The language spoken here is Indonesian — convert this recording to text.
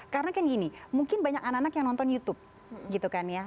karena kan gini mungkin banyak anak anak yang nonton youtube gitu kan ya